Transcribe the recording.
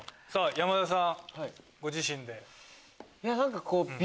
山田さんご自身で。